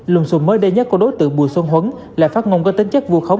luân xuân mới đê nhắc của đối tượng bùi xuân huấn lại phát ngôn có tính chất vô khống